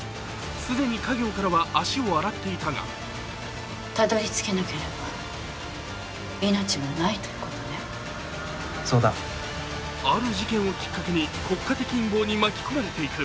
既に稼業からは足を洗っていたがある事件をきっかけに、国家的陰謀に巻き込まれていく。